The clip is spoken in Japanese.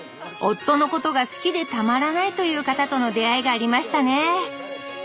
夫のことが好きでたまらないという方との出会いがありましたね。